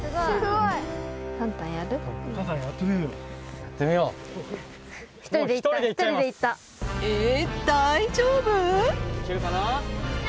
いけるかな？